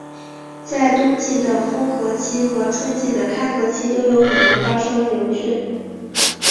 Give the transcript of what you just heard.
在冬季的封河期和春季的开河期都有可能发生凌汛。